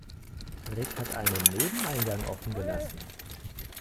Rick hat einen Nebeneingang offen gelassen.